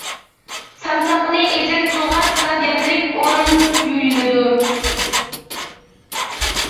سامساقنى ئېزىپ سۇغا چىلاپ يەرلىك ئورۇن يۇيۇلىدۇ.